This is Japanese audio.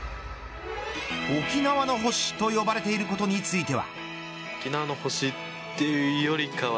沖縄の星と呼ばれていることについては。